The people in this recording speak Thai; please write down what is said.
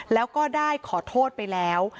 แล้วก็ได้ขอโทษไปแล้ว